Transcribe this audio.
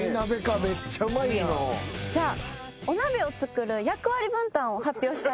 じゃあお鍋を作る役割分担を発表したいと思います。